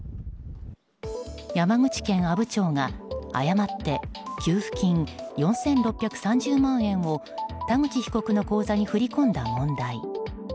山口県阿武町が誤って給付金４６３０万円を田口被告の口座に振り込んだ問題。